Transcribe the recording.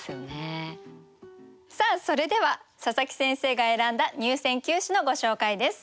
さあそれでは佐佐木先生が選んだ入選九首のご紹介です。